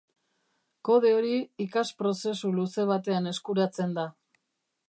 Kode hori ikasprozesu luze batean eskuratzen da.